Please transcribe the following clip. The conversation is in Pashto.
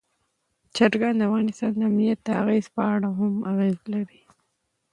چرګان د افغانستان د امنیت په اړه هم اغېز لري.